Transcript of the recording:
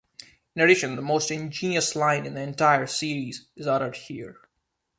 In addition, the most ingenious line in the entire series is uttered here.